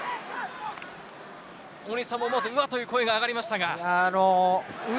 大西さんからも、うわという声が上がりました。